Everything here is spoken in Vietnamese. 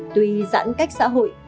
tuy giãn cách xã hội